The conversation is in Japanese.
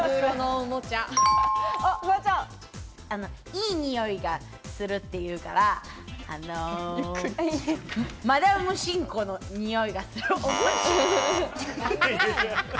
いい匂いがするっていうから、マダムシンコのにおいがするおもちゃ。